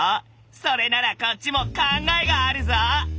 それならこっちも考えがあるぞぉ！